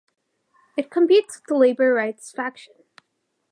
It competes with the Labor Right faction.